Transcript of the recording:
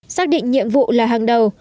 xác định nhiệm vụ là hàng đầu